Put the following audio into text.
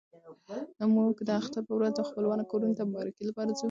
موږ د اختر په ورځ د خپلوانو کورونو ته د مبارکۍ لپاره ځو.